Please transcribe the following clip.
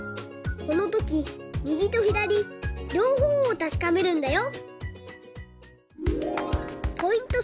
このときみぎとひだりりょうほうをたしかめるんだよ！